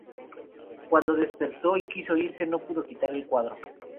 Cuando despertó y quiso irse; no pudo quitar el cuadro.